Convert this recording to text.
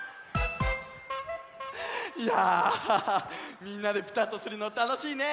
いやみんなでぴたっとするのたのしいね！